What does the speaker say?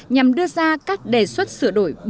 nhằm đưa ra các đề xuất sửa đổi